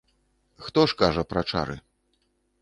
Хто ж кажа пра чары.